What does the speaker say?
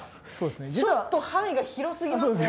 ちょっと範囲が広すぎますね